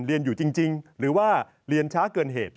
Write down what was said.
เรียนอยู่จริงหรือว่าเรียนช้าเกินเหตุ